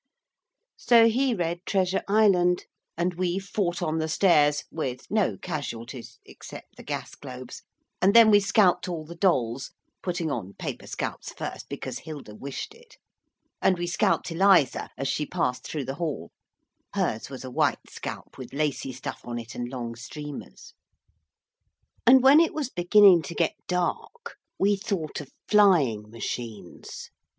So he read Treasure Island, and we fought on the stairs with no casualties except the gas globes, and then we scalped all the dolls putting on paper scalps first because Hilda wished it and we scalped Eliza as she passed through the hall hers was a white scalp with lacey stuff on it and long streamers. [Illustration: 'We scalped Eliza as she passed through the hall.'] And when it was beginning to get dark we thought of flying machines.